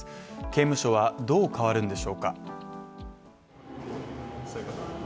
刑務所はどう変わるんでしょうか？